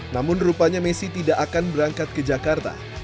namun rupanya messi tidak akan berangkat ke jakarta